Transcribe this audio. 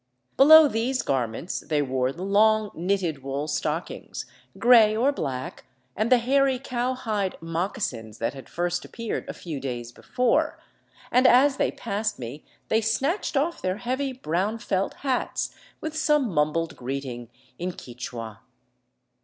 Below these garments they wore the long, knitted wool stockings, gray or black, and the hairy cowhide moc casins that had first appeared a few days before, and as they passed me they snatched off their heavy, brown felt hats with some mum bled greeting in Quichua.